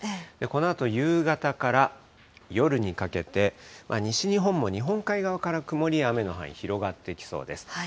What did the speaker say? このあと、夕方から夜にかけて、西日本も日本海側から曇りや雨の範囲、広がってきそうです。